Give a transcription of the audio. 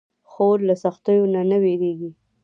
خور له سختیو نه نه وېریږي.